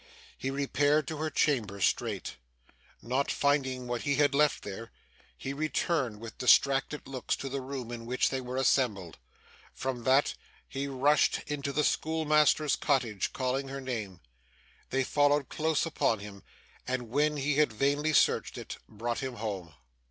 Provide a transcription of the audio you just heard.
He repaired to her chamber, straight. Not finding what he had left there, he returned with distracted looks to the room in which they were assembled. From that, he rushed into the schoolmaster's cottage, calling her name. They followed close upon him, and when he had vainly searched it, brought him home.